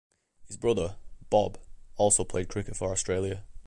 His brother, Bob, also played cricket for Australia.